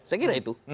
saya kira itu